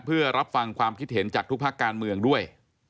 เพื่อรับฟังความคิดเห็นจากทุกภาคการเมืองด้วย